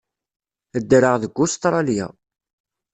Ddreɣ deg Ustṛalya.